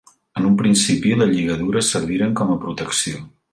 En un principi, les lligadures serviren com a protecció.